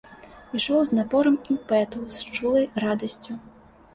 Ішоў з напорам імпэту, з чулай радасцю.